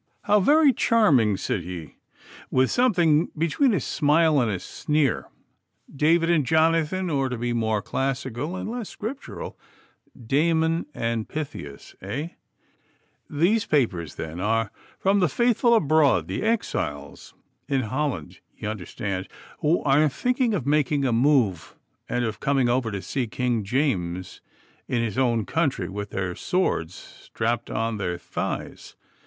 'How very charming!' said he, with something between a smile and a sneer. 'David and Jonathan or, to be more classical and less scriptural, Damon and Pythias eh?' These papers, then, are from the faithful abroad, the exiles in Holland, ye understand, who are thinking of making a move and of coming over to see King James in his own country with their swords strapped on their thighs.